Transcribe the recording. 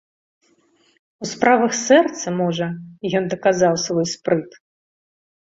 У справах сэрца, можа, ён даказаў свой спрыт.